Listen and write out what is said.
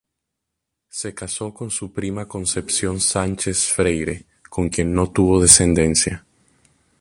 Se casó con su prima Concepción Sánchez Freire, con quien no tuvo descendencia.